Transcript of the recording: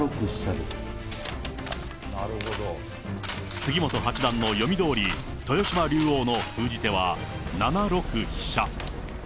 杉本八段の読みどおり、豊島竜王の封じ手は７六飛車。